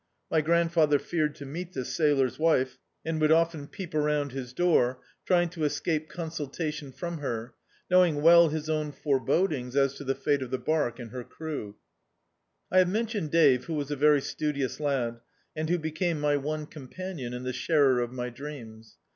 My grandfather feared to meet this sailor's wife, and would often peep around his door, trying to escape consultation frc»n her, knowing well his own forebodings as to the fate of the barque and her crew. I have mentioned Dave, who was a very studious lad, and who became my one companion and the sharer of my dreams.